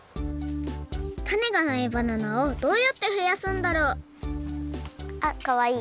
タネがないバナナをどうやってふやすんだろう？あっかわいい。